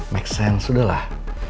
make sense udahlah